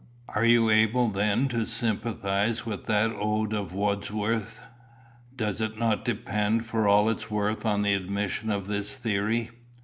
"Are you able then to sympathise with that ode of Wordsworth's? Does it not depend for all its worth on the admission of this theory?"